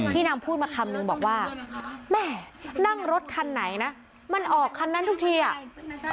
นางพูดมาคำนึงบอกว่าแม่นั่งรถคันไหนนะมันออกคันนั้นทุกทีอ่ะ